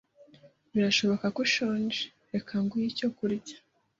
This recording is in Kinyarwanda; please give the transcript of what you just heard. Birashoboka ko ushonje. Reka nguhe icyo kurya.